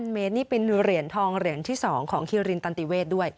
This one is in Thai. เมตรนี่เป็นเหรียญทองเหรียญที่๒ของฮิรินตันติเวศด้วย